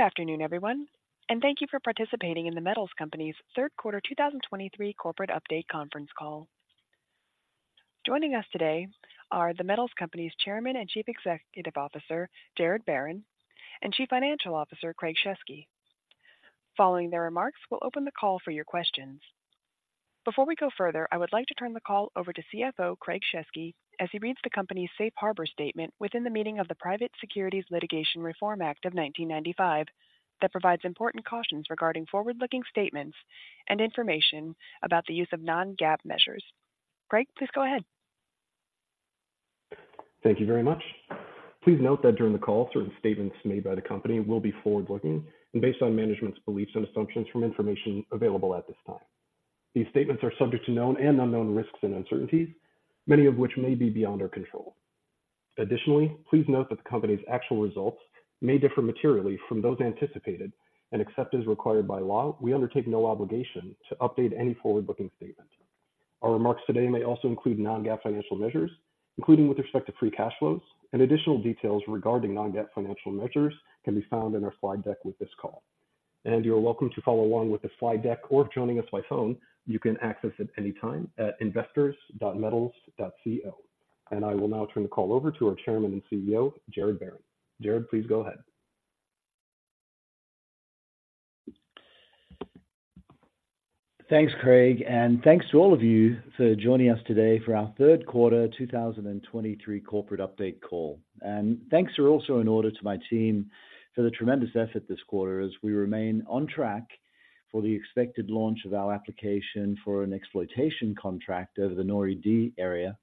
Good afternoon, everyone, and thank you for participating in The Metals Company's third quarter 2023 corporate update conference call. Joining us today are The Metals Company's Chairman and Chief Executive Officer, Gerard Barron, and Chief Financial Officer, Craig Shesky. Following their remarks, we'll open the call for your questions. Before we go further, I would like to turn the call over to CFO Craig Shesky as he reads the company's Safe Harbor statement within the meaning of the Private Securities Litigation Reform Act of 1995, that provides important cautions regarding forward-looking statements and information about the use of non-GAAP measures. Craig, please go ahead. Thank you very much. Please note that during the call, certain statements made by the company will be forward-looking and based on management's beliefs and assumptions from information available at this time. These statements are subject to known and unknown risks and uncertainties, many of which may be beyond our control. Additionally, please note that the company's actual results may differ materially from those anticipated, and except as required by law, we undertake no obligation to update any forward-looking statement. Our remarks today may also include non-GAAP financial measures, including with respect to free cash flows, and additional details regarding non-GAAP financial measures can be found in our slide deck with this call. You're welcome to follow along with the slide deck, or if joining us by phone, you can access it anytime at investors.metals.co. I will now turn the call over to our Chairman and CEO, Gerard Barron. Gerard, please go ahead. Thanks, Craig, and thanks to all of you for joining us today for our third quarter 2023 corporate update call. Thanks are also in order to my team for the tremendous effort this quarter as we remain on track for the expected launch of our application for an exploitation contract over the NORI-D area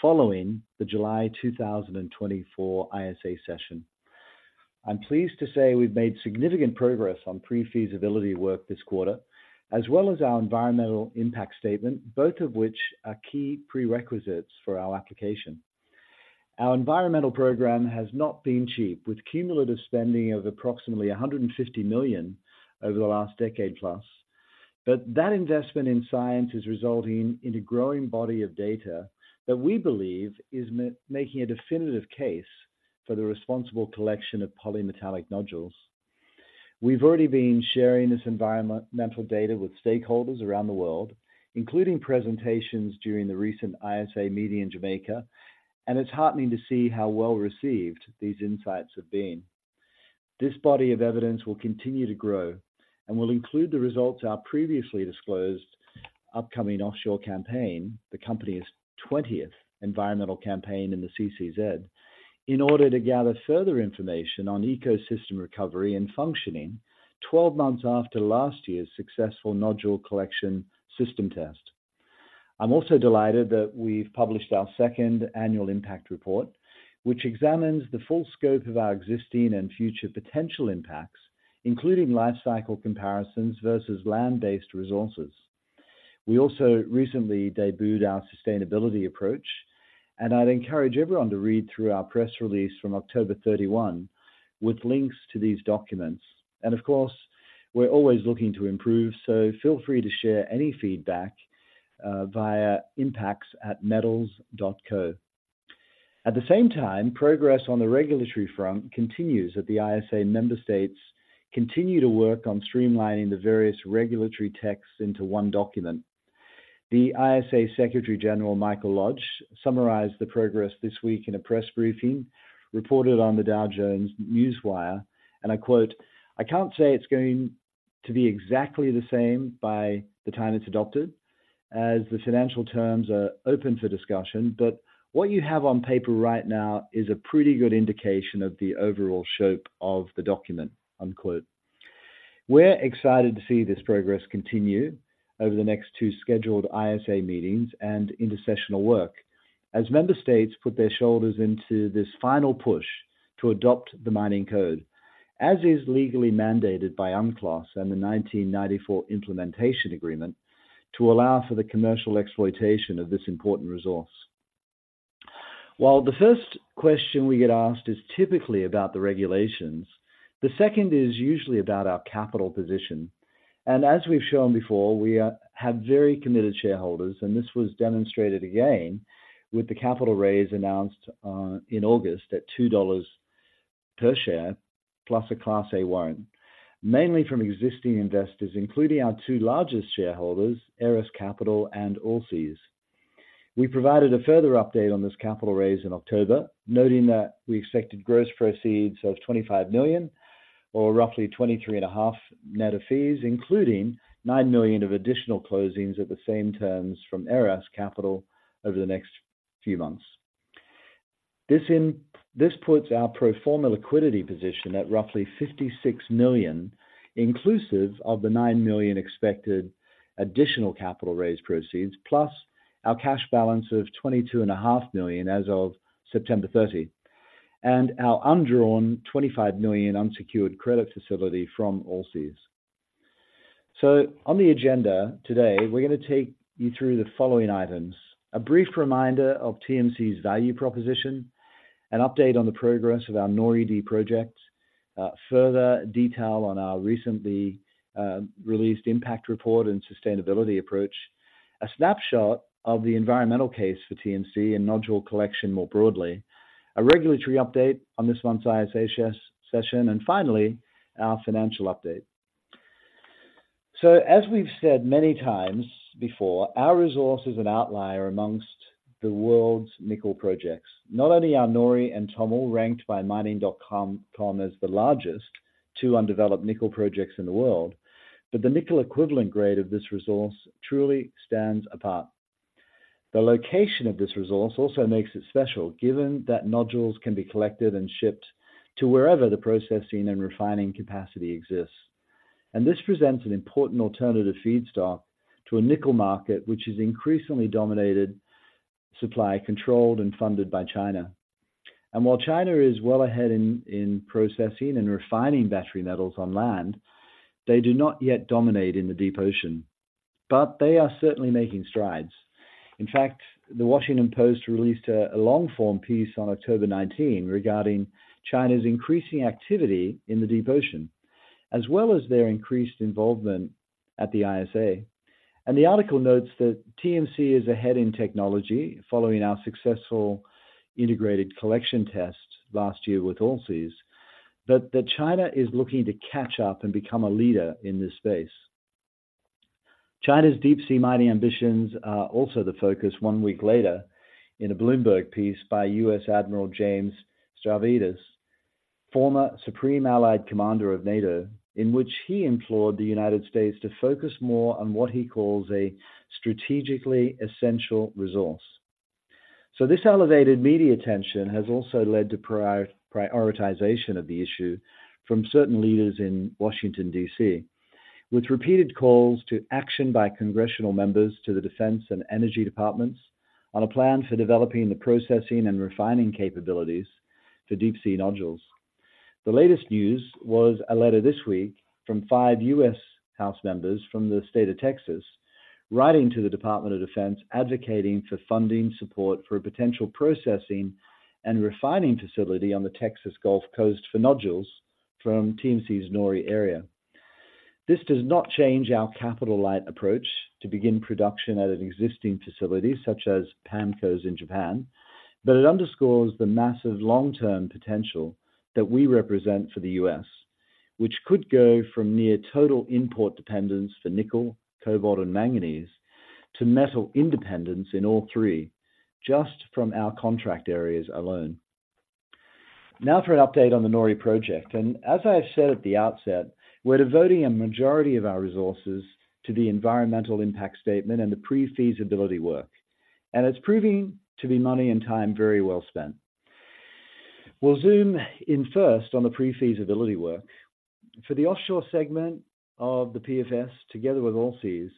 following the July 2024 ISA session. I'm pleased to say we've made significant progress on pre-feasibility work this quarter, as well as our environmental impact statement, both of which are key prerequisites for our application. Our environmental program has not been cheap, with cumulative spending of approximately $150 million over the last decade plus. But that investment in science is resulting in a growing body of data that we believe is making a definitive case for the responsible collection of polymetallic nodules. We've already been sharing this environmental data with stakeholders around the world, including presentations during the recent ISA meeting in Jamaica, and it's heartening to see how well-received these insights have been. This body of evidence will continue to grow and will include the results of our previously disclosed upcoming offshore campaign, the company's 20th environmental campaign in the CCZ, in order to gather further information on ecosystem recovery and functioning 12 months after last year's successful nodule collection system test. I'm also delighted that we've published our 2nd annual impact report, which examines the full scope of our existing and future potential impacts, including life cycle comparisons versus land-based resources. We also recently debuted our sustainability approach, and I'd encourage everyone to read through our press release from October 31 with links to these documents. Of course, we're always looking to improve, so feel free to share any feedback via impacts@metals.co. At the same time, progress on the regulatory front continues as the ISA member states continue to work on streamlining the various regulatory texts into one document. The ISA Secretary General, Michael Lodge, summarized the progress this week in a press briefing reported on the Dow Jones Newswire, and I quote, "I can't say it's going to be exactly the same by the time it's adopted, as the financial terms are open for discussion, but what you have on paper right now is a pretty good indication of the overall shape of the document," unquote. We're excited to see this progress continue over the next two scheduled ISA meetings and intersessional work as member states put their shoulders into this final push to adopt the mining code, as is legally mandated by UNCLOS and the 1994 implementation agreement to allow for the commercial exploitation of this important resource. While the first question we get asked is typically about the regulations, the second is usually about our capital position. And as we've shown before, we, have very committed shareholders, and this was demonstrated again with the capital raise announced, in August at $2 per share, plus a Class A warrant, mainly from existing investors, including our two largest shareholders, ERAS Capital and Allseas. We provided a further update on this capital raise in October, noting that we expected gross proceeds of $25 million, or roughly $23.5 million net of fees, including $9 million of additional closings at the same terms from ERAS Capital over the next few months. This puts our pro forma liquidity position at roughly $56 million, inclusive of the $9 million expected additional capital raise proceeds, plus our cash balance of $22.5 million as of September 30, and our undrawn $25 million unsecured credit facility from Allseas. On the agenda today, we're going to take you through the following items: a brief reminder of TMC's value proposition, an update on the progress of our NORI-D project, further detail on our recently released impact report and sustainability approach. A snapshot of the environmental case for TMC and nodule collection more broadly, a regulatory update on this month's ISA session, and finally, our financial update. So as we've said many times before, our resource is an outlier amongst the world's nickel projects. Not only are NORI and TOML ranked by mining.com as the largest two undeveloped nickel projects in the world, but the nickel equivalent grade of this resource truly stands apart. The location of this resource also makes it special, given that nodules can be collected and shipped to wherever the processing and refining capacity exists. And this presents an important alternative feedstock to a nickel market, which is increasingly dominated, supply controlled, and funded by China. And while China is well ahead in processing and refining battery metals on land, they do not yet dominate in the deep ocean, but they are certainly making strides. In fact, The Washington Post released a long-form piece on October 19 regarding China's increasing activity in the deep ocean, as well as their increased involvement at the ISA. And the article notes that TMC is ahead in technology following our successful integrated collection test last year with Allseas, but that China is looking to catch up and become a leader in this space. China's deep sea mining ambitions are also the focus one week later in a Bloomberg piece by U.S. Admiral James Stavridis, former Supreme Allied Commander of NATO, in which he implored the United States to focus more on what he calls a strategically essential resource. So this elevated media attention has also led to prioritization of the issue from certain leaders in Washington, D.C., with repeated calls to action by congressional members to the Defense and Energy Departments on a plan for developing the processing and refining capabilities to deep sea nodules. The latest news was a letter this week from five U.S. House members from the state of Texas, writing to the Department of Defense, advocating for funding support for a potential processing and refining facility on the Texas Gulf Coast for nodules from TMC's NORI area. This does not change our capital-light approach to begin production at an existing facility, such as PAMCO's in Japan, but it underscores the massive long-term potential that we represent for the US, which could go from near total import dependence for nickel, cobalt, and manganese to metal independence in all three, just from our contract areas alone. Now for an update on the NORI project, and as I've said at the outset, we're devoting a majority of our resources to the environmental impact statement and the pre-feasibility work, and it's proving to be money and time very well spent. We'll zoom in first on the pre-feasibility work. For the offshore segment of the PFS, together with Allseas,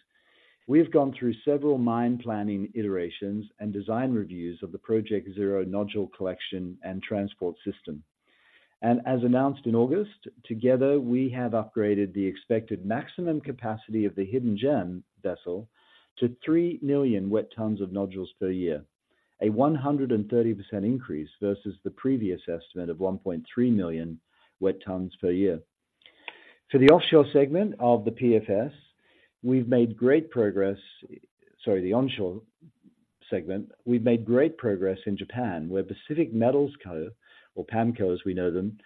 we've gone through several mine planning iterations and design reviews of the Project Zero nodule collection and transport system. And as announced in August, together, we have upgraded the expected maximum capacity of the Hidden Gem vessel to 3 million wet tons of nodules per year, a 130% increase versus the previous estimate of 1.3 million wet tons per year. For the offshore segment of the PFS, we've made great progress—Sorry, the onshore segment. We've made great progress in Japan, where Pacific Metals Co., or PAMCO as we know them,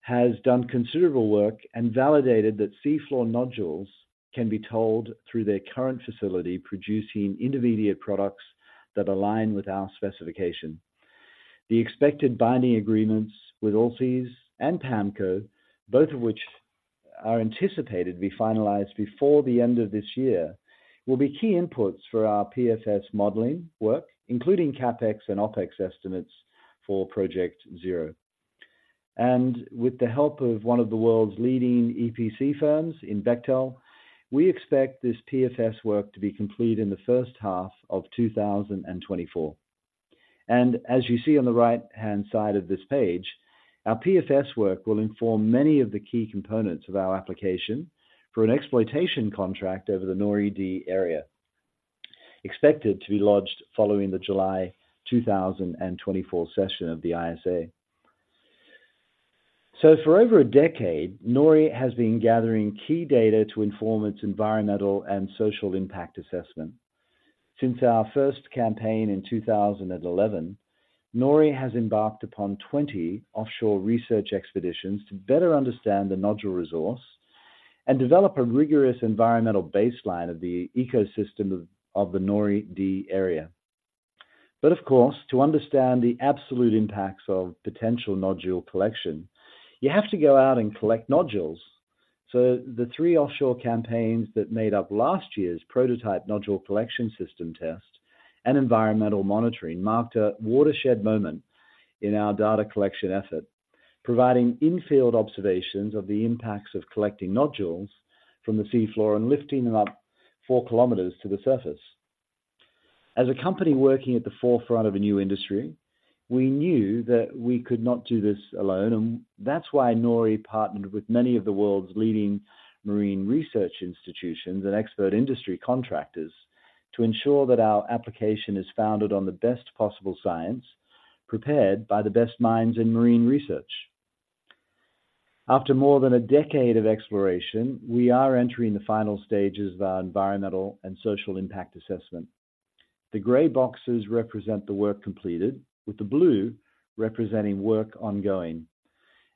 has done considerable work and validated that seafloor nodules can be towed through their current facility, producing intermediate products that align with our specification. The expected binding agreements with Allseas and PAMCO, both of which are anticipated to be finalized before the end of this year, will be key inputs for our PFS modeling work, including CapEx and OpEx estimates for Project Zero. With the help of one of the world's leading EPC firms in Bechtel, we expect this PFS work to be complete in the first half of 2024. As you see on the right-hand side of this page, our PFS work will inform many of the key components of our application for an exploitation contract over the NORI-D area, expected to be lodged following the July 2024 session of the ISA. For over a decade, NORI has been gathering key data to inform its environmental and social impact assessment. Since our first campaign in 2011, NORI has embarked upon 20 offshore research expeditions to better understand the nodule resource and develop a rigorous environmental baseline of the ecosystem of the NORI-D area. But of course, to understand the absolute impacts of potential nodule collection, you have to go out and collect nodules. So the 3 offshore campaigns that made up last year's prototype nodule collection system test and environmental monitoring marked a watershed moment in our data collection effort, providing in-field observations of the impacts of collecting nodules from the sea floor and lifting them up 4 kilometers to the surface. As a company working at the forefront of a new industry, we knew that we could not do this alone, and that's why NORI partnered with many of the world's leading marine research institutions and expert industry contractors to ensure that our application is founded on the best possible science, prepared by the best minds in marine research. After more than a decade of exploration, we are entering the final stages of our environmental and social impact assessment. The gray boxes represent the work completed, with the blue representing work ongoing.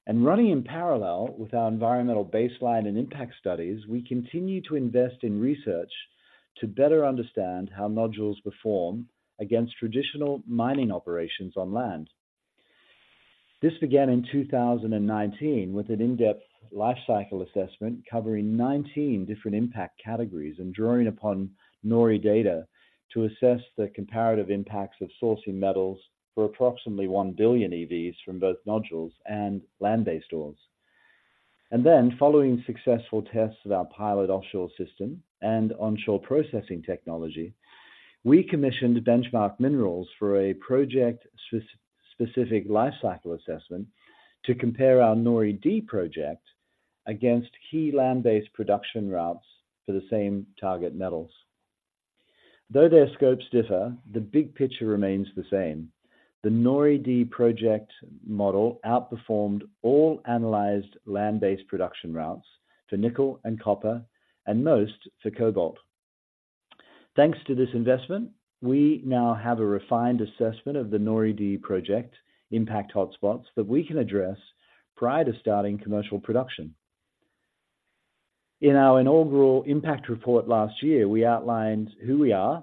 Running in parallel with our environmental baseline and impact studies, we continue to invest in research to better understand how nodules perform against traditional mining operations on land. This began in 2019 with an in-depth lifecycle assessment covering 19 different impact categories, and drawing upon NORI data to assess the comparative impacts of sourcing metals for approximately 1 billion EVs from both nodules and land-based ores. Then, following successful tests of our pilot offshore system and onshore processing technology, we commissioned Benchmark Mineral Intelligence for a project-specific lifecycle assessment to compare our NORI-D project against key land-based production routes for the same target metals. Though their scopes differ, the big picture remains the same. The NORI-D project model outperformed all analyzed land-based production routes for nickel and copper, and most for cobalt. Thanks to this investment, we now have a refined assessment of the NORI-D project impact hotspots that we can address prior to starting commercial production. In our inaugural impact report last year, we outlined who we are,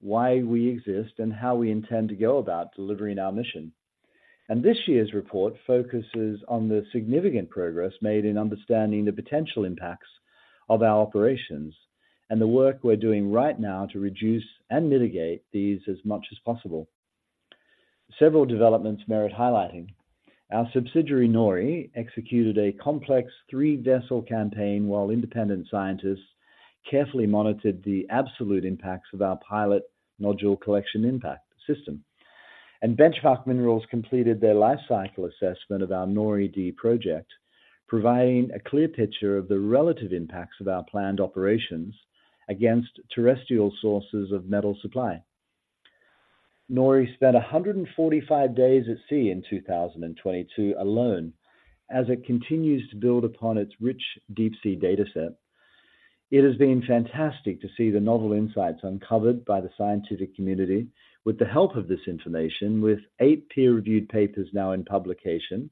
why we exist, and how we intend to go about delivering our mission. This year's report focuses on the significant progress made in understanding the potential impacts of our operations, and the work we're doing right now to reduce and mitigate these as much as possible. Several developments merit highlighting. Our subsidiary, NORI, executed a complex three-vessel campaign, while independent scientists carefully monitored the absolute impacts of our pilot nodule collection system. Benchmark Mineral Intelligence completed their lifecycle assessment of our NORI-D project, providing a clear picture of the relative impacts of our planned operations against terrestrial sources of metal supply. NORI spent 145 days at sea in 2022 alone, as it continues to build upon its rich deep-sea data set. It has been fantastic to see the novel insights uncovered by the scientific community with the help of this information, with eight peer-reviewed papers now in publication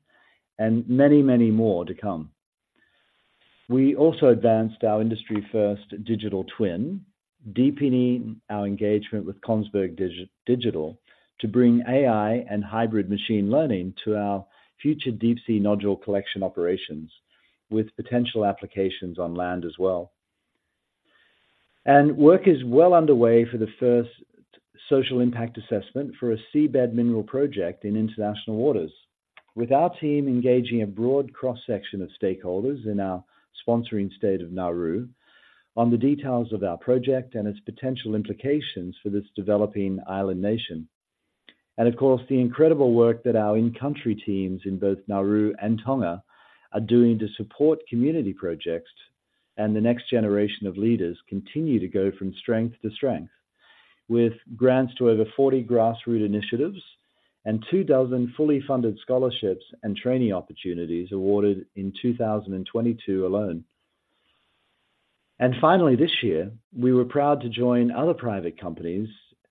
and many, many more to come. We also advanced our industry-first Digital Twin, deepening our engagement with Kongsberg Digital to bring AI and hybrid machine learning to our future deep-sea nodule collection operations, with potential applications on land as well. Work is well underway for the first social impact assessment for a seabed mineral project in international waters, with our team engaging a broad cross-section of stakeholders in our sponsoring state of Nauru on the details of our project and its potential implications for this developing island nation. Of course, the incredible work that our in-country teams in both Nauru and Tonga are doing to support community projects and the next generation of leaders continue to go from strength to strength, with grants to over 40 grassroots initiatives and 24 fully funded scholarships and trainee opportunities awarded in 2022 alone. Finally, this year, we were proud to join other private companies,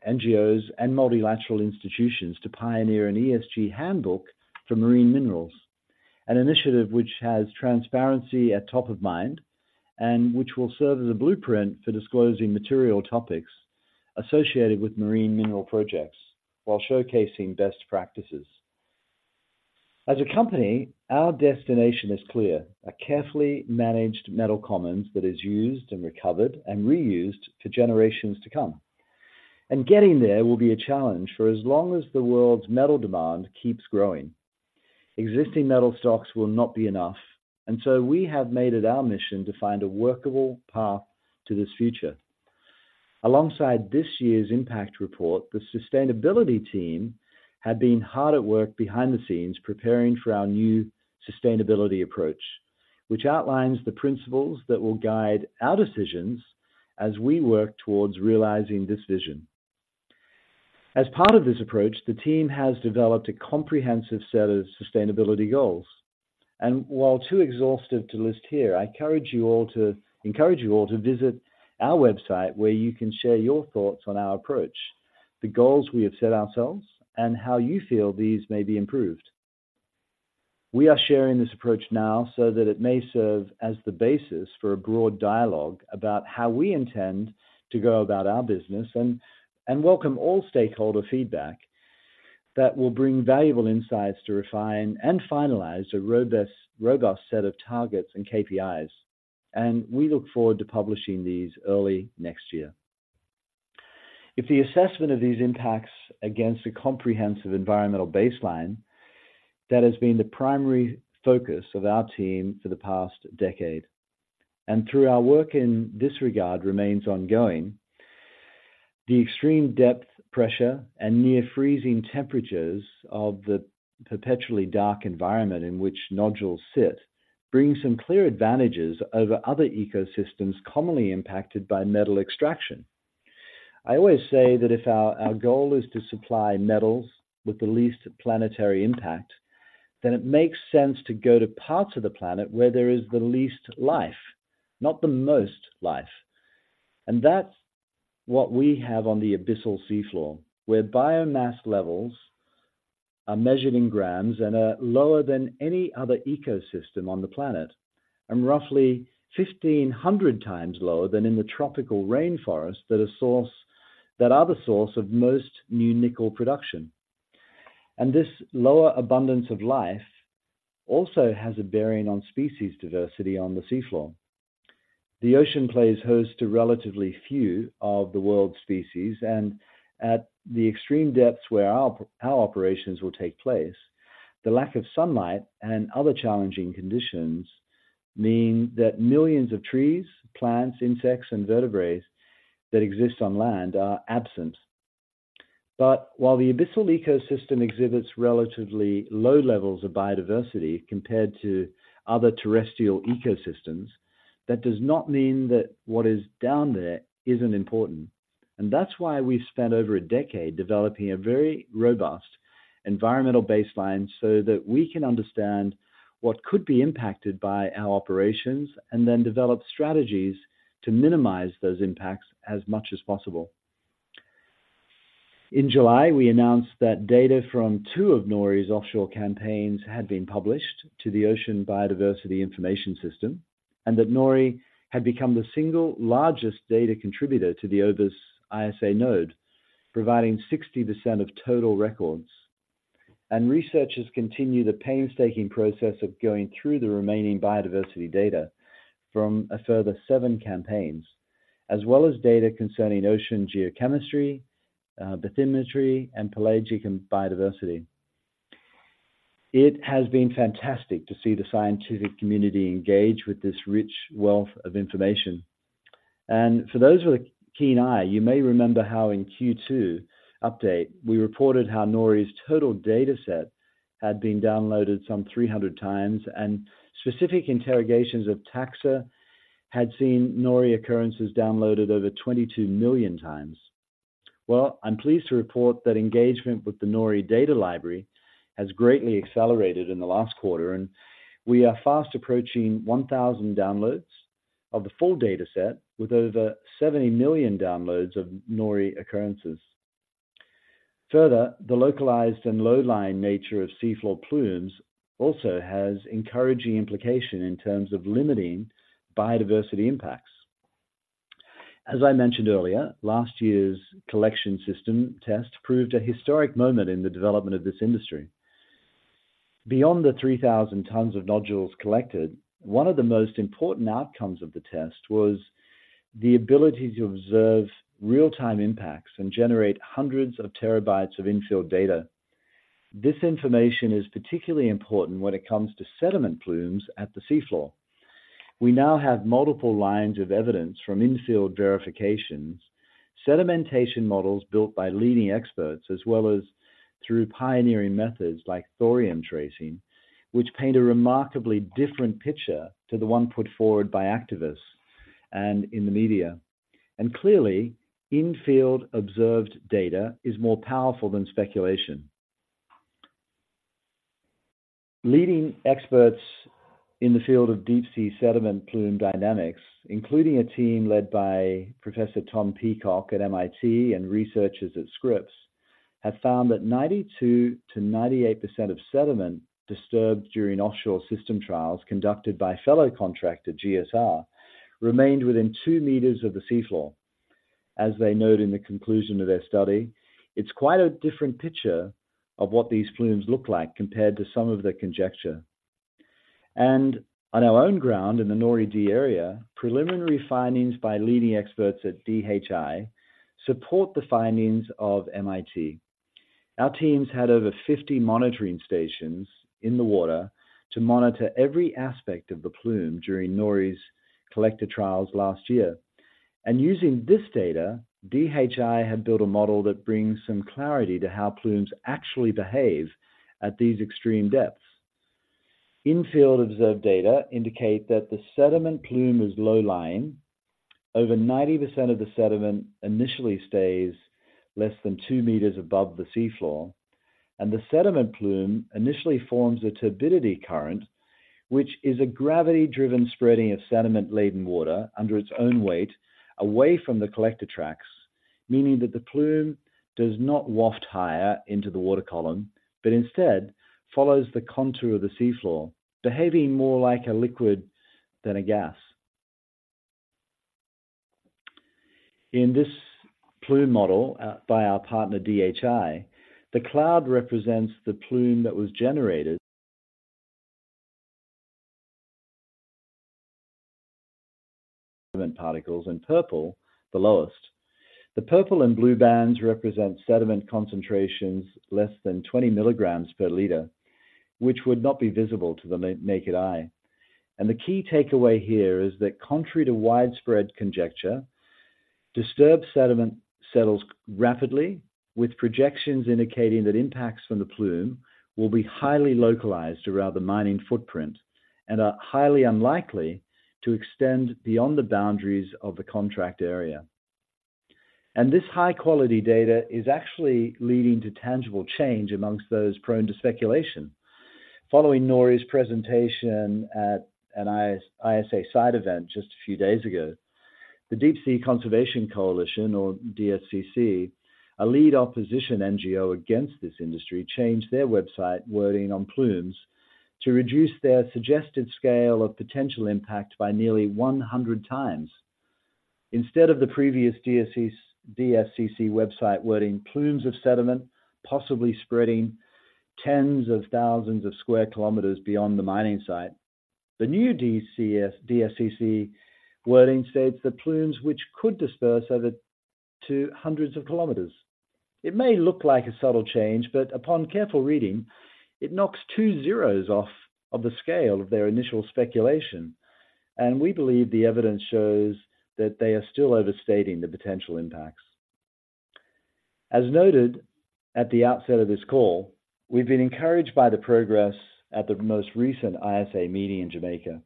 NGOs, and multilateral institutions to pioneer an ESG handbook for marine minerals. An initiative which has transparency at top of mind, and which will serve as a blueprint for disclosing material topics associated with marine mineral projects while showcasing best practices. As a company, our destination is clear: a carefully managed metal commons that is used and recovered and reused for generations to come. Getting there will be a challenge for as long as the world's metal demand keeps growing. Existing metal stocks will not be enough, and so we have made it our mission to find a workable path to this future. Alongside this year's impact report, the sustainability team have been hard at work behind the scenes, preparing for our new sustainability approach, which outlines the principles that will guide our decisions as we work towards realizing this vision. As part of this approach, the team has developed a comprehensive set of sustainability goals. And while too exhaustive to list here, I encourage you all to visit our website, where you can share your thoughts on our approach, the goals we have set ourselves, and how you feel these may be improved. We are sharing this approach now so that it may serve as the basis for a broad dialogue about how we intend to go about our business, and welcome all stakeholder feedback that will bring valuable insights to refine and finalize a robust set of targets and KPIs. We look forward to publishing these early next year. In the assessment of these impacts against a comprehensive environmental baseline, that has been the primary focus of our team for the past decade, and through our work in this regard, remains ongoing. The extreme depth, pressure, and near-freezing temperatures of the perpetually dark environment in which nodules sit bring some clear advantages over other ecosystems commonly impacted by metal extraction. I always say that if our, our goal is to supply metals with the least planetary impact, then it makes sense to go to parts of the planet where there is the least life, not the most life. And that's what we have on the Abyssal Seafloor, where biomass levels are measured in grams and are lower than any other ecosystem on the planet, and roughly 1,500 times lower than in the tropical rainforest, that are the source of most new nickel production. And this lower abundance of life also has a bearing on species diversity on the seafloor. The ocean plays host to relatively few of the world's species, and at the extreme depths where our, our operations will take place, the lack of sunlight and other challenging conditions mean that millions of trees, plants, insects, and vertebrates that exist on land are absent. But while the abyssal ecosystem exhibits relatively low levels of biodiversity compared to other terrestrial ecosystems, that does not mean that what is down there isn't important. And that's why we've spent over a decade developing a very robust environmental baseline, so that we can understand what could be impacted by our operations, and then develop strategies to minimize those impacts as much as possible. In July, we announced that data from two of NORI's offshore campaigns had been published to the Ocean Biodiversity Information System, and that NORI had become the single largest data contributor to the OBIS ISA Node, providing 60% of total records. Researchers continue the painstaking process of going through the remaining biodiversity data from a further seven campaigns, as well as data concerning ocean geochemistry, bathymetry, and pelagic and biodiversity. It has been fantastic to see the scientific community engage with this rich wealth of information. For those with a keen eye, you may remember how in Q2 update, we reported how NORI's total dataset had been downloaded some 300 times, and specific interrogations of taxa had seen NORI occurrences downloaded over 22 million times. Well, I'm pleased to report that engagement with the NORI data library has greatly accelerated in the last quarter, and we are fast approaching 1,000 downloads of the full dataset, with over 70 million downloads of NORI occurrences. Further, the localized and low-lying nature of seafloor plumes also has encouraging implication in terms of limiting biodiversity impacts. As I mentioned earlier, last year's collection system test proved a historic moment in the development of this industry. Beyond the 3,000 tons of nodules collected, one of the most important outcomes of the test was the ability to observe real-time impacts and generate hundreds of terabytes of in-field data. This information is particularly important when it comes to sediment plumes at the seafloor. We now have multiple lines of evidence from in-field verifications, sedimentation models built by leading experts, as well as through pioneering methods like thorium tracing, which paint a remarkably different picture to the one put forward by activists and in the media. Clearly, in-field observed data is more powerful than speculation. Leading experts in the field of deep sea sediment plume dynamics, including a team led by Professor Tom Peacock at MIT and researchers at Scripps, have found that 92%-98% of sediment disturbed during offshore system trials conducted by fellow contractor GSR remained within 2 meters of the seafloor. As they noted in the conclusion of their study, "It's quite a different picture of what these plumes look like compared to some of the conjecture." On our own ground, in the NORI-D Area, preliminary findings by leading experts at DHI support the findings of MIT. Our teams had over 50 monitoring stations in the water to monitor every aspect of the plume during NORI's collector trials last year. And using this data, DHI had built a model that brings some clarity to how plumes actually behave at these extreme depths. In-field observed data indicate that the sediment plume is low-lying. Over 90% of the sediment initially stays less than 2 meters above the seafloor, and the sediment plume initially forms a turbidity current, which is a gravity-driven spreading of sediment-laden water under its own weight, away from the collector tracks, meaning that the plume does not waft higher into the water column, but instead follows the contour of the seafloor, behaving more like a liquid than a gas. In this plume model by our partner, DHI, the cloud represents the plume that was generated... sediment particles, and purple, the lowest. The purple and blue bands represent sediment concentrations less than 20 milligrams per liter, which would not be visible to the naked eye. The key takeaway here is that contrary to widespread conjecture, disturbed sediment settles rapidly, with projections indicating that impacts from the plume will be highly localized around the mining footprint. They are highly unlikely to extend beyond the boundaries of the contract area. This high-quality data is actually leading to tangible change amongst those prone to speculation. Following NORI's presentation at an ISA side event just a few days ago, the Deep Sea Conservation Coalition, or DSCC, a lead opposition NGO against this industry, changed their website wording on plumes to reduce their suggested scale of potential impact by nearly 100 times. Instead of the previous DSCC website wording, "Plumes of sediment, possibly spreading tens of thousands of sq km beyond the mining site," the new DSCC wording states that, "Plumes which could disperse over to hundreds of km." It may look like a subtle change, but upon careful reading, it knocks 2 zeros off of the scale of their initial speculation, and we believe the evidence shows that they are still overstating the potential impacts. As noted at the outset of this call, we've been encouraged by the progress at the most recent ISA meeting in Jamaica,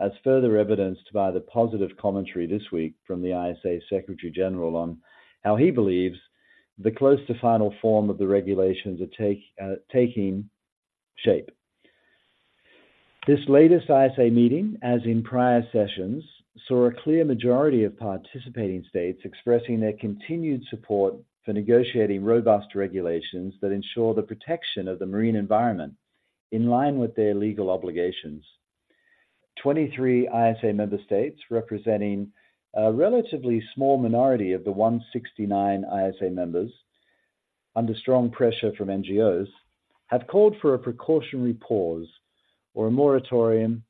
as further evidenced by the positive commentary this week from the ISA Secretary General on how he believes the close to final form of the regulations are taking shape. This latest ISA meeting, as in prior sessions, saw a clear majority of participating states expressing their continued support for negotiating robust regulations that ensure the protection of the marine environment in line with their legal obligations. 23 ISA member states, representing a relatively small minority of the 169 ISA members, under strong pressure from NGOs, have called for a precautionary pause or a moratorium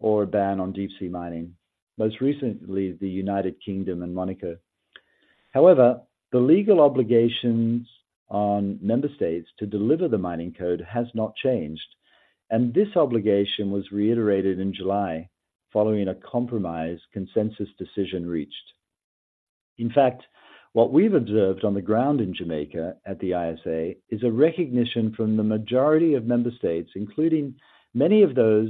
or a ban on deep-sea mining, most recently, the United Kingdom and Monaco. However, the legal obligations on member states to deliver the Mining Code has not changed, and this obligation was reiterated in July following a compromised consensus decision reached. In fact, what we've observed on the ground in Jamaica at the ISA, is a recognition from the majority of member states, including many of those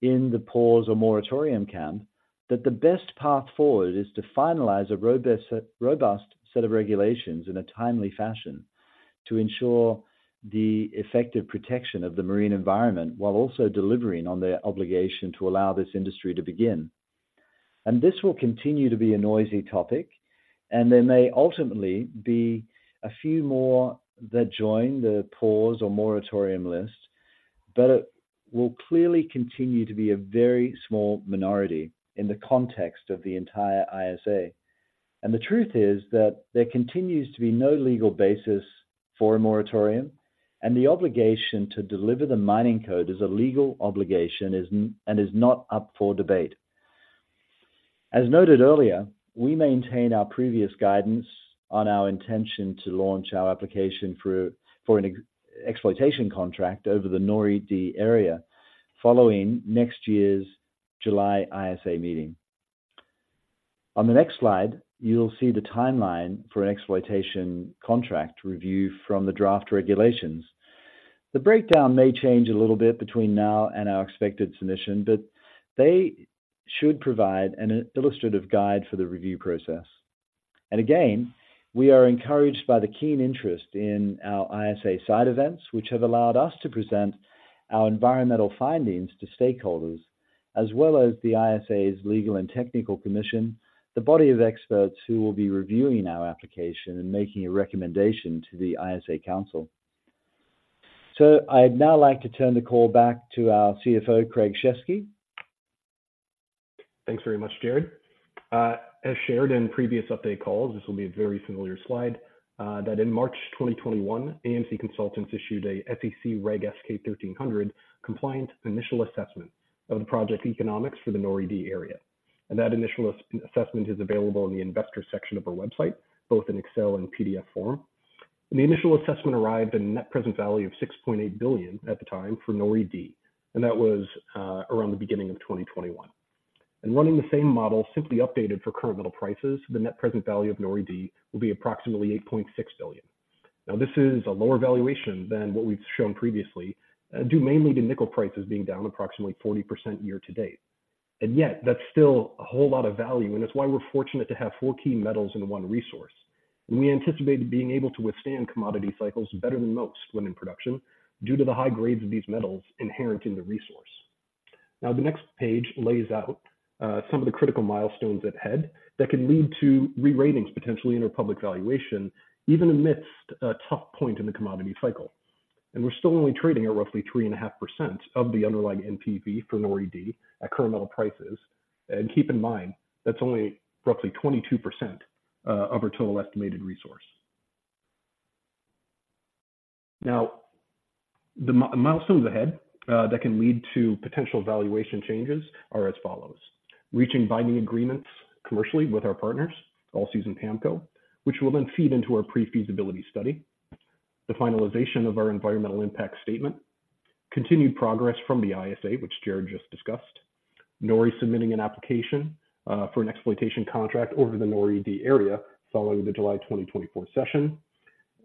in the pause or moratorium camp, that the best path forward is to finalize a robust set, robust set of regulations in a timely fashion to ensure the effective protection of the marine environment, while also delivering on their obligation to allow this industry to begin. And this will continue to be a noisy topic, and there may ultimately be a few more that join the pause or moratorium list, but it will clearly continue to be a very small minority in the context of the entire ISA. And the truth is that there continues to be no legal basis for a moratorium, and the obligation to deliver the mining code is a legal obligation, isn't, and is not up for debate. As noted earlier, we maintain our previous guidance on our intention to launch our application through NORI for an exploitation contract over the NORI-D area following next year's July ISA meeting. On the next slide, you'll see the timeline for an exploitation contract review from the draft regulations. The breakdown may change a little bit between now and our expected submission, but they should provide an illustrative guide for the review process. Again, we are encouraged by the keen interest in our ISA side events, which have allowed us to present our environmental findings to stakeholders, as well as the ISA's Legal and Technical Commission, the body of experts who will be reviewing our application and making a recommendation to the ISA Council. I'd now like to turn the call back to our CFO, Craig Shesky. Thanks very much, Gerard. As shared in previous update calls, this will be a very familiar slide that in March 2021, AMC Consultants issued a SEC Reg S-K 1300 compliant initial assessment of the project economics for the NORI-D area. That initial assessment is available in the investor section of our website, both in Excel and PDF form. The initial assessment arrived at a net present value of $6.8 billion at the time for NORI-D, and that was around the beginning of 2021. Running the same model, simply updated for current metal prices, the net present value of NORI-D will be approximately $8.6 billion. Now, this is a lower valuation than what we've shown previously, due mainly to nickel prices being down approximately 40% year to date. And yet, that's still a whole lot of value, and that's why we're fortunate to have 4 key metals in one resource. We anticipate being able to withstand commodity cycles better than most when in production, due to the high grades of these metals inherent in the resource. Now, the next page lays out some of the critical milestones ahead that could lead to re-ratings, potentially in our public valuation, even amidst a tough point in the commodity cycle. We're still only trading at roughly 3.5% of the underlying NPV for NORI-D at current metal prices. Keep in mind, that's only roughly 22% of our total estimated resource. Now, the milestones ahead that can lead to potential valuation changes are as follows: Reaching binding agreements commercially with our partners, Allseas PAMCO, which will then feed into our pre-feasibility study. The finalization of our environmental impact statement. Continued progress from the ISA, which Gerard just discussed. NORI submitting an application for an exploitation contract over the NORI-D area following the July 2024 session.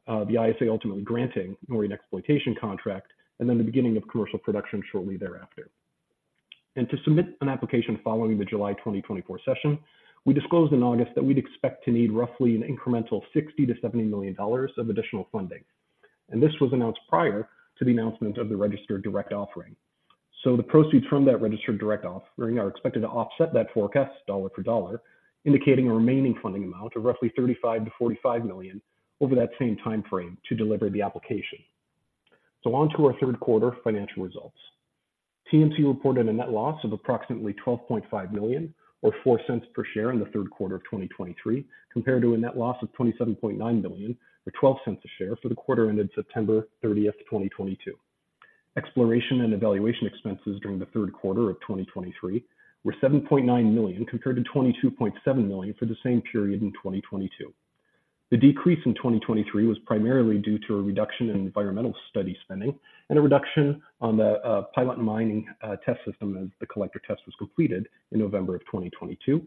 The ISA ultimately granting NORI an exploitation contract, and then the beginning of commercial production shortly thereafter. To submit an application following the July 2024 session, we disclosed in August that we'd expect to need roughly an incremental $60 million-$70 million of additional funding, and this was announced prior to the announcement of the registered direct offering. So the proceeds from that registered direct offering are expected to offset that forecast dollar for dollar, indicating a remaining funding amount of roughly $35-$45 million over that same timeframe to deliver the application. So on to our third quarter financial results. TMC reported a net loss of approximately $12.5 million, or $0.04 per share in the third quarter of 2023, compared to a net loss of $27.9 million, or $0.12 a share for the quarter ended September 30, 2022. Exploration and evaluation expenses during the third quarter of 2023 were $7.9 million, compared to $22.7 million for the same period in 2022. The decrease in 2023 was primarily due to a reduction in environmental study spending and a reduction on the pilot and mining test system as the collector test was completed in November of 2022.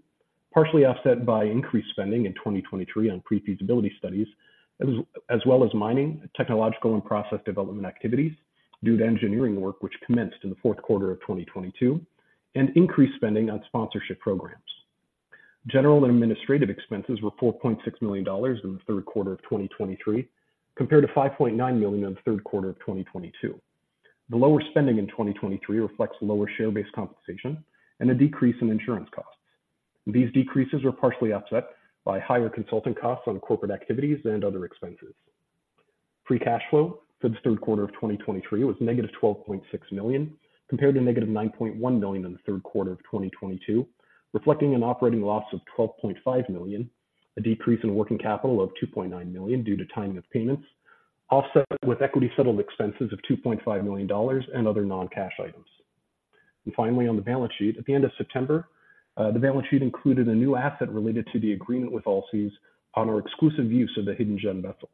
Partially offset by increased spending in 2023 on pre-feasibility studies, as well as mining, technological and process development activities due to engineering work, which commenced in the fourth quarter of 2022, and increased spending on sponsorship programs. General and administrative expenses were $4.6 million in the third quarter of 2023, compared to $5.9 million in the third quarter of 2022. The lower spending in 2023 reflects lower share-based compensation and a decrease in insurance costs. These decreases were partially offset by higher consulting costs on corporate activities and other expenses. Free cash flow for the third quarter of 2023 was -$12.6 million, compared to -$9.1 million in the third quarter of 2022, reflecting an operating loss of $12.5 million, a decrease in working capital of $2.9 million due to timing of payments, offset with equity-settled expenses of $2.5 million and other non-cash items. Finally, on the balance sheet, at the end of September, the balance sheet included a new asset related to the agreement with Allseas on our exclusive use of the Hidden Gem vessel.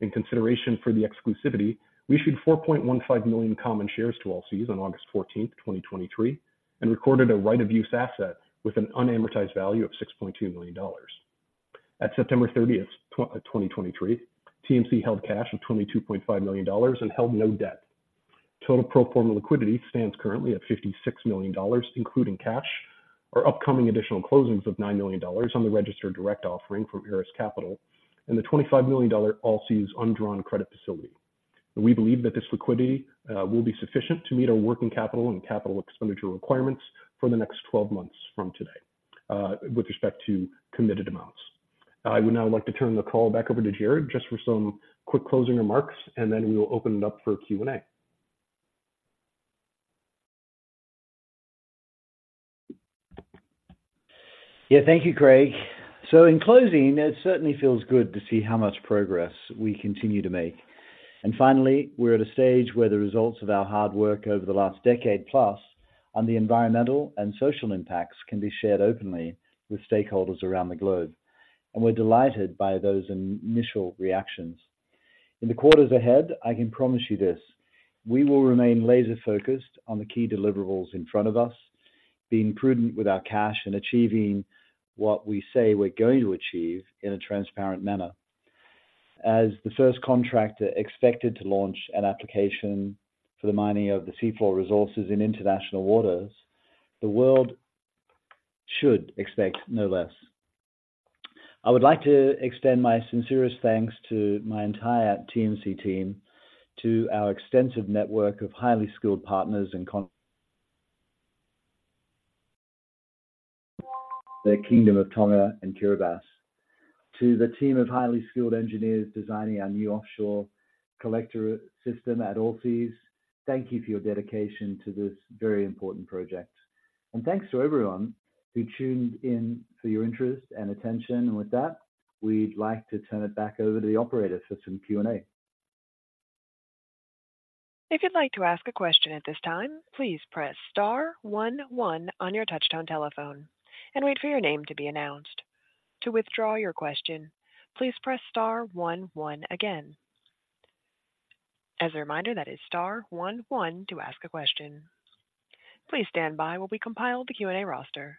In consideration for the exclusivity, we issued 4.15 million common shares to Allseas on August 14, 2023, and recorded a right-of-use asset with an unamortized value of $6.2 million. At September 30, 2023, TMC held cash of $22.5 million and held no debt. Total pro forma liquidity stands currently at $56 million, including cash, our upcoming additional closings of $9 million on the registered direct offering from ERAS Capital, and the $25 million Allseas undrawn credit facility. We believe that this liquidity will be sufficient to meet our working capital and capital expenditure requirements for the next twelve months from today, with respect to committed amounts. I would now like to turn the call back over to Gerard just for some quick closing remarks, and then we will open it up for Q&A. Yeah. Thank you, Craig. In closing, it certainly feels good to see how much progress we continue to make. Finally, we're at a stage where the results of our hard work over the last decade plus on the environmental and social impacts can be shared openly with stakeholders around the globe, and we're delighted by those initial reactions. In the quarters ahead, I can promise you this, we will remain laser-focused on the key deliverables in front of us, being prudent with our cash and achieving what we say we're going to achieve in a transparent manner. As the first contractor expected to launch an application for the mining of the seafloor resources in international waters, the world should expect no less. I would like to extend my sincerest thanks to my entire TMC team, to our extensive network of highly skilled partners, and the Kingdom of Tonga and Kiribati, to the team of highly skilled engineers designing our new offshore collector system at Allseas. Thank you for your dedication to this very important project. With that, we'd like to turn it back over to the operator for some Q&A. If you'd like to ask a question at this time, please press star one one on your touchtone telephone and wait for your name to be announced. To withdraw your question, please press star one one again. As a reminder, that is star one one to ask a question. Please stand by while we compile the Q&A roster.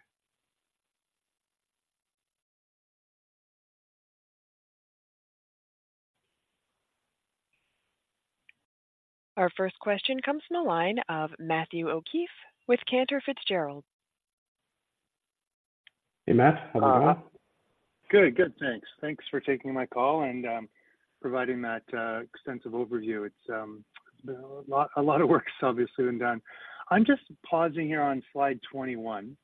Our first question comes from the line of Matthew O'Keefe with Cantor Fitzgerald. Hey, Matt, how's it going? Good. Good, thanks. Thanks for taking my call and providing that extensive overview. It's a lot, a lot of work's obviously been done. I'm just pausing here on slide 21,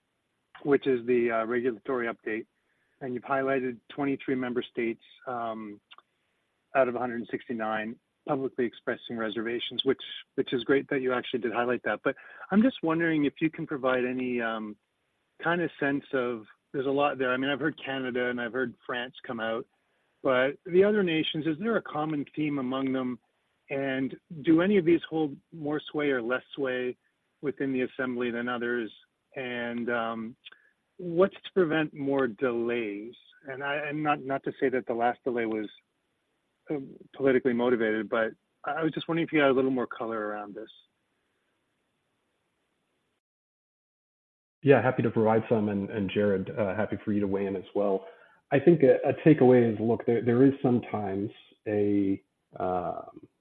which is the regulatory update, and you've highlighted 23 member states out of 169 publicly expressing reservations, which is great that you actually did highlight that. But I'm just wondering if you can provide any kind of sense of... There's a lot there. I mean, I've heard Canada and I've heard France come out, but the other nations, is there a common theme among them? And do any of these hold more sway or less sway within the assembly than others? And what's to prevent more delays? And not to say that the last delay was-... politically motivated, but I was just wondering if you had a little more color around this. Yeah, happy to provide some, and, Gerard, happy for you to weigh in as well. I think a takeaway is, look, there is sometimes a,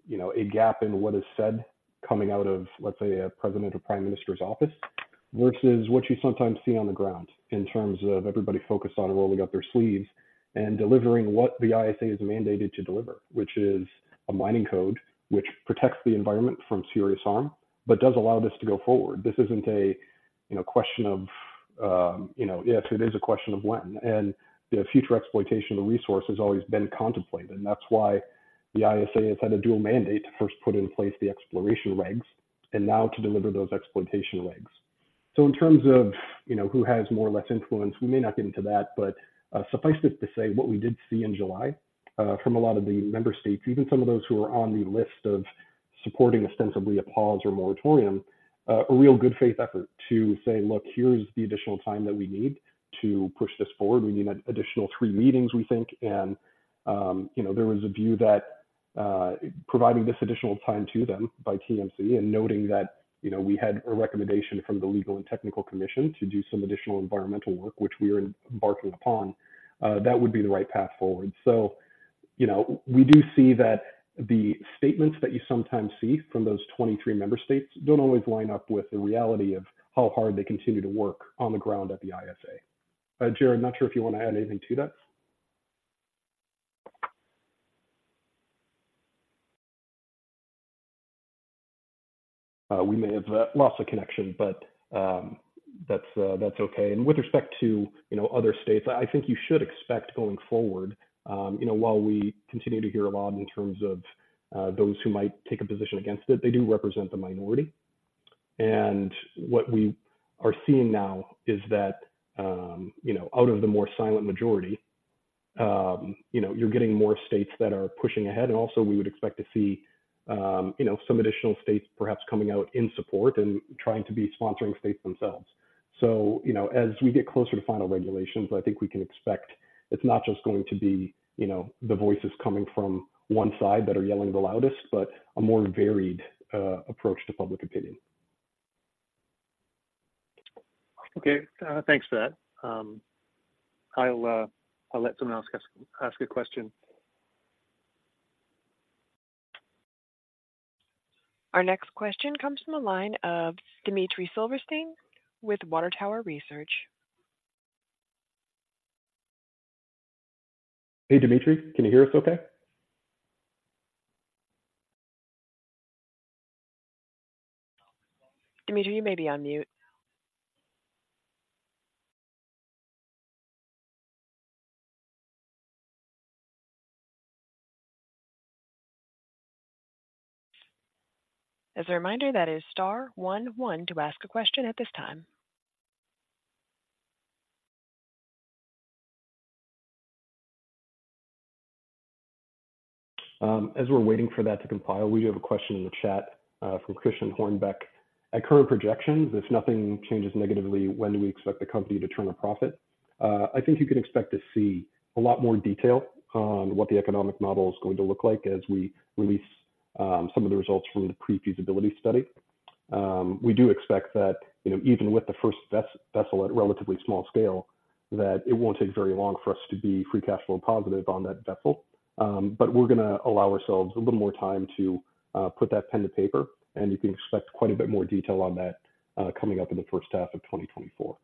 you know, a gap in what is said coming out of, let's say, a president or prime minister's office, versus what you sometimes see on the ground in terms of everybody focused on rolling up their sleeves and delivering what the ISA is mandated to deliver. Which is a mining code, which protects the environment from serious harm, but does allow this to go forward. This isn't a, you know, question of... Yes, it is a question of when, and the future exploitation of the resource has always been contemplated. And that's why the ISA has had a dual mandate to first put in place the exploration regs and now to deliver those exploitation regs. So in terms of, you know, who has more or less influence, we may not get into that, but, suffice it to say, what we did see in July, from a lot of the member states, even some of those who are on the list of supporting ostensibly a pause or moratorium, a real good faith effort to say, "Look, here's the additional time that we need to push this forward. We need an additional three meetings, we think." And, you know, there was a view that, providing this additional time to them by TMC and noting that, you know, we had a recommendation from the Legal and Technical Commission to do some additional environmental work, which we are embarking upon, that would be the right path forward. So, you know, we do see that the statements that you sometimes see from those 23 member states don't always line up with the reality of how hard they continue to work on the ground at the ISA. Gerard, I'm not sure if you want to add anything to that. We may have lost the connection, but that's okay. And with respect to, you know, other states, I think you should expect going forward, you know, while we continue to hear a lot in terms of those who might take a position against it, they do represent the minority. And what we are seeing now is that, you know, out of the more silent majority, you know, you're getting more states that are pushing ahead. Also we would expect to see, you know, some additional states perhaps coming out in support and trying to be sponsoring states themselves. So, you know, as we get closer to final regulations, I think we can expect it's not just going to be, you know, the voices coming from one side that are yelling the loudest, but a more varied, approach to public opinion. Okay, thanks for that. I'll let someone else ask a question. Our next question comes from the line of Dmitry Silversteyn with Water Tower Research. Hey, Dmitry, can you hear us okay? Dmitry, you may be on mute. As a reminder, that is star one one to ask a question at this time. As we're waiting for that to compile, we do have a question in the chat from Christian Hornbeck: At current projections, if nothing changes negatively, when do we expect the company to turn a profit? I think you can expect to see a lot more detail on what the economic model is going to look like as we release some of the results from the pre-feasibility study. We do expect that, you know, even with the first vessel at relatively small scale, that it won't take very long for us to be free cash flow positive on that vessel. But we're gonna allow ourselves a little more time to put that pen to paper, and you can expect quite a bit more detail on that coming up in the first half of 2024.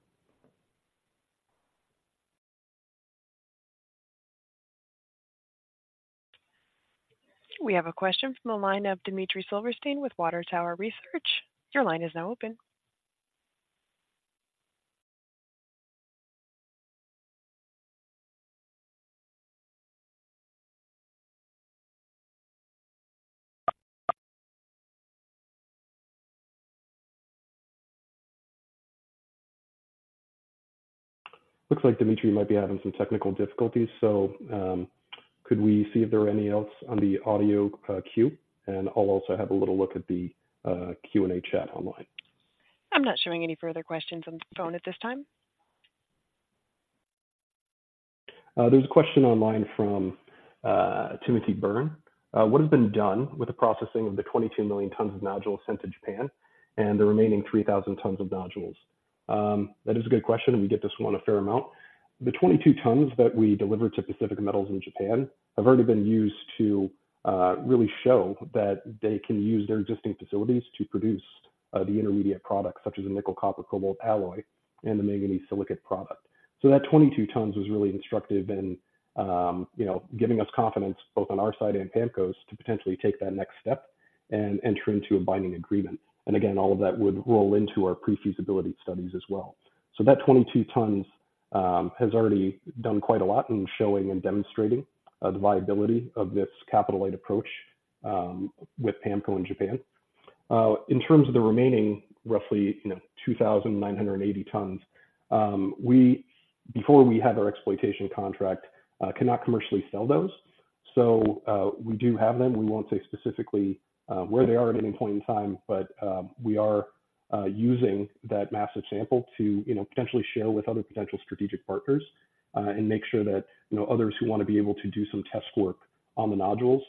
We have a question from the line of Dmitry Silversteyn with Water Tower Research. Your line is now open. Looks like Dmitry might be having some technical difficulties, so could we see if there are any else on the audio queue? And I'll also have a little look at the Q&A chat online. I'm not showing any further questions on the phone at this time. There's a question online from Timothy Byrne. "What has been done with the processing of the 22 million tons of nodules sent to Japan and the remaining 3,000 tons of nodules?" That is a good question, and we get this one a fair amount. The 22 tons that we delivered to Pacific Metals in Japan have already been used to really show that they can use their existing facilities to produce the intermediate products, such as a nickel copper cobalt alloy and the manganese silicate product. So that 22 tons was really instructive in, you know, giving us confidence, both on our side and PAMCO's, to potentially take that next step and enter into a binding agreement. And again, all of that would roll into our pre-feasibility studies as well. So that 22 tons has already done quite a lot in showing and demonstrating the viability of this capital-light approach with PAMCO in Japan. In terms of the remaining roughly, you know, 2,980 tons, we, before we have our exploitation contract, cannot commercially sell those. So we do have them. We won't say specifically where they are at any point in time, but we are using that massive sample to, you know, potentially share with other potential strategic partners and make sure that, you know, others who want to be able to do some test work on the nodules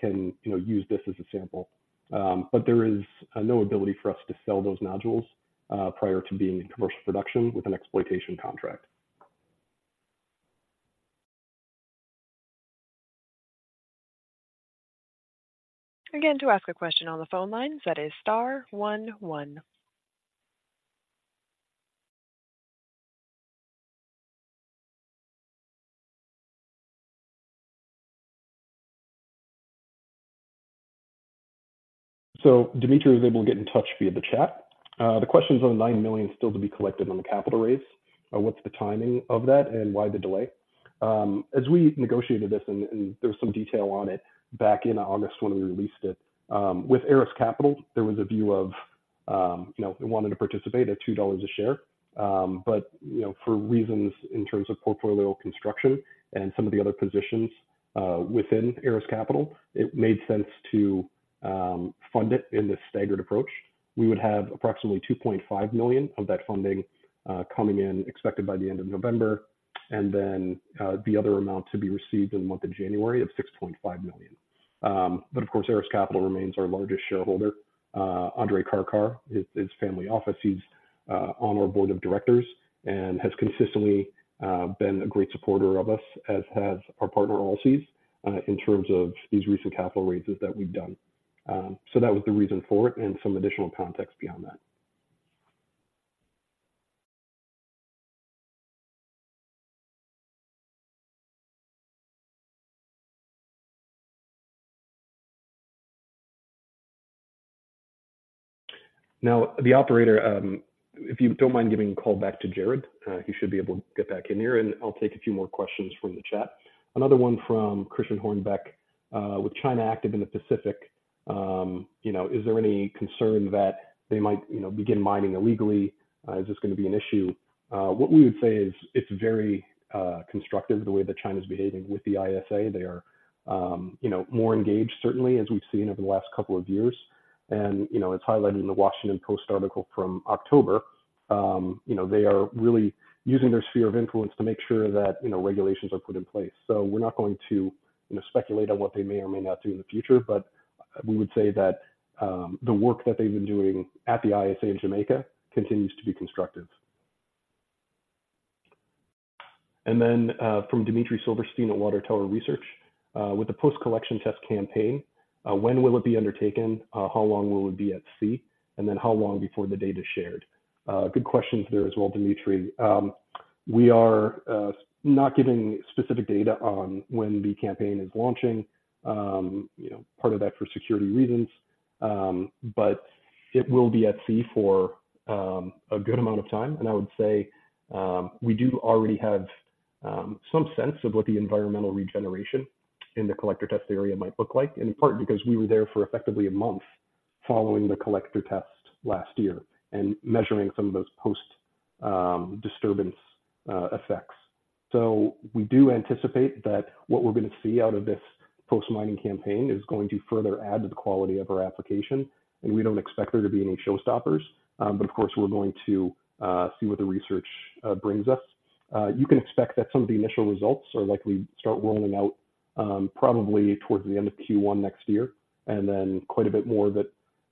can, you know, use this as a sample. But there is no ability for us to sell those nodules prior to being in commercial production with an exploitation contract. Again, to ask a question on the phone lines, that is star one one. So Dmitry was able to get in touch via the chat. The question is on the $9 million still to be collected on the capital raise. What's the timing of that, and why the delay? As we negotiated this, and there was some detail on it back in August when we released it, with ERAS Capital, there was a view of, you know, they wanted to participate at $2 a share. But, you know, for reasons in terms of portfolio construction and some of the other positions, within ERAS Capital, it made sense to fund it in this staggered approach. We would have approximately $2.5 million of that funding, coming in, expected by the end of November, and then, the other amount to be received in the month of January of $6.5 million. But of course, ERAS Capital remains our largest shareholder. Andrei Karkar his family office, he's on our board of directors and has consistently been a great supporter of us, as has our partner Allseas in terms of these recent capital raises that we've done. So that was the reason for it and some additional context beyond that. Now, the operator, if you don't mind giving a call back to Gerard, he should be able to get back in here, and I'll take a few more questions from the chat. Another one from Christian Hornbeck: With China active in the Pacific, you know, is there any concern that they might, you know, begin mining illegally? Is this gonna be an issue? What we would say is it's very constructive the way that China's behaving with the ISA. They are, you know, more engaged, certainly, as we've seen over the last couple of years. And, you know, as highlighted in the Washington Post article from October, you know, they are really using their sphere of influence to make sure that, you know, regulations are put in place. So we're not going to, you know, speculate on what they may or may not do in the future, but we would say that, the work that they've been doing at the ISA in Jamaica continues to be constructive. And then, from Dmitry Silversteyn at Water Tower Research: With the post-collection test campaign, when will it be undertaken? How long will it be at sea? And then how long before the data is shared? Good questions there as well, Dmitry. We are, not giving specific data on when the campaign is launching. You know, part of that for security reasons, but it will be at sea for a good amount of time. And I would say, we do already have some sense of what the environmental regeneration in the collector test area might look like, in part because we were there for effectively a month following the collector test last year and measuring some of those post-disturbance effects. So we do anticipate that what we're going to see out of this post-mining campaign is going to further add to the quality of our application, and we don't expect there to be any showstoppers. But of course, we're going to see what the research brings us. You can expect that some of the initial results are likely to start rolling out, probably towards the end of Q1 next year, and then quite a bit more that,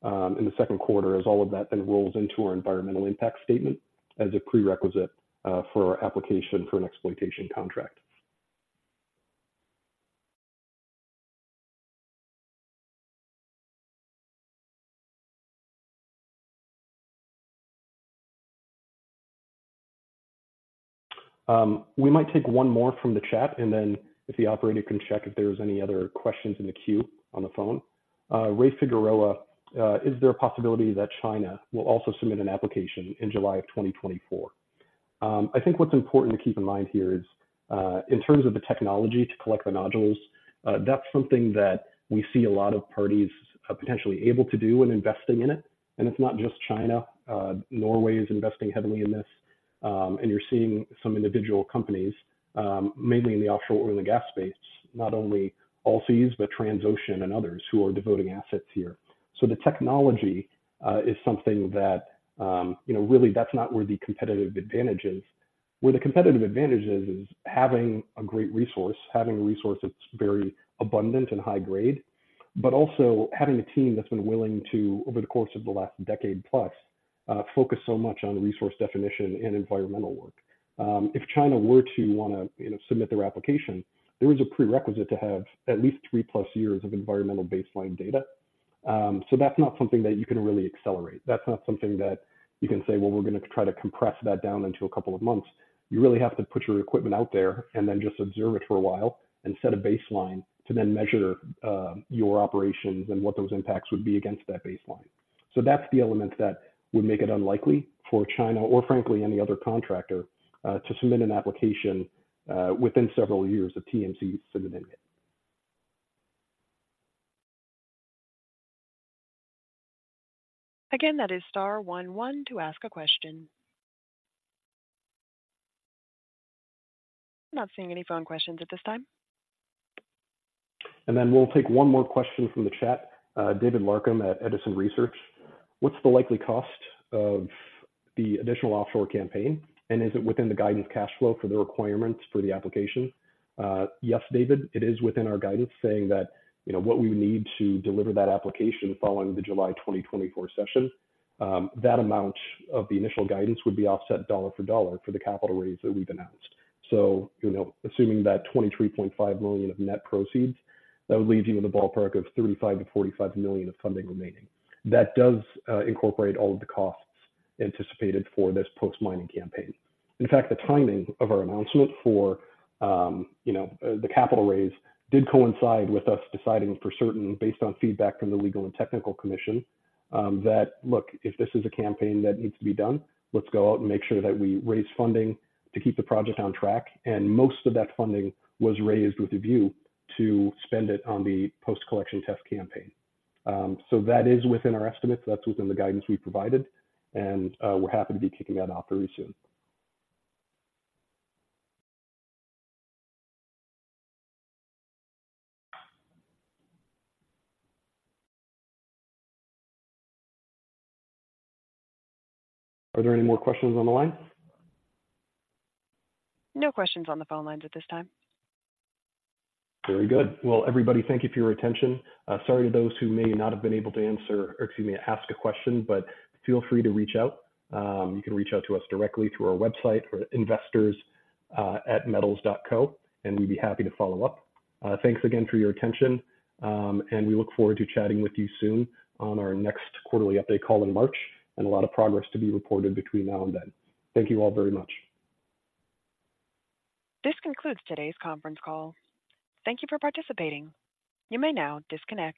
in the second quarter, as all of that then rolls into our Environmental Impact Statement as a prerequisite, for our application for an Exploitation Contract. We might take one more from the chat, and then if the operator can check if there's any other questions in the queue on the phone. Ray Figueroa, is there a possibility that China will also submit an application in July of 2024? I think what's important to keep in mind here is, in terms of the technology to collect the nodules, that's something that we see a lot of parties are potentially able to do and investing in it. It's not just China. Norway is investing heavily in this. You're seeing some individual companies, mainly in the offshore oil and gas space, not only Allseas, but Transocean and others who are devoting assets here. So the technology is something that, you know, really, that's not where the competitive advantage is. Where the competitive advantage is, is having a great resource, having a resource that's very abundant and high grade, but also having a team that's been willing to, over the course of the last decade plus, focus so much on resource definition and environmental work. If China were to want to, you know, submit their application, there is a prerequisite to have at least 3+ years of environmental baseline data. So that's not something that you can really accelerate. That's not something that you can say, "Well, we're going to try to compress that down into a couple of months." You really have to put your equipment out there and then just observe it for a while and set a baseline to then measure your operations and what those impacts would be against that baseline. So that's the element that would make it unlikely for China, or frankly, any other contractor, to submit an application within several years of TMC submitting it. Again, that is star one one to ask a question. I'm not seeing any phone questions at this time. And then we'll take one more question from the chat. David Larkam at Edison Research: What's the likely cost of the additional offshore campaign, and is it within the guidance cash flow for the requirements for the application? Yes, David, it is within our guidance saying that, you know, what we need to deliver that application following the July 2024 session, that amount of the initial guidance would be offset dollar for dollar for the capital raise that we've announced. So, you know, assuming that $23.5 million of net proceeds, that would leave you with a ballpark of $35 million-$45 million of funding remaining. That does incorporate all of the costs anticipated for this post-mining campaign. In fact, the timing of our announcement for, you know, the capital raise did coincide with us deciding for certain, based on feedback from the Legal and Technical Commission, that, look, if this is a campaign that needs to be done, let's go out and make sure that we raise funding to keep the project on track, and most of that funding was raised with a view to spend it on the post-collection test campaign. So that is within our estimates, that's within the guidance we provided, and, we're happy to be kicking that off very soon. Are there any more questions on the line? No questions on the phone lines at this time. Very good. Well, everybody, thank you for your attention. Sorry to those who may not have been able to answer, or excuse me, ask a question, but feel free to reach out. You can reach out to us directly through our website or investors at metals.co, and we'd be happy to follow up. Thanks again for your attention, and we look forward to chatting with you soon on our next quarterly update call in March, and a lot of progress to be reported between now and then. Thank you all very much. This concludes today's conference call. Thank you for participating. You may now disconnect.